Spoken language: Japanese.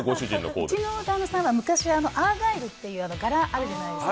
うちの旦那さんは昔はアーガイルって柄あるじゃないですか。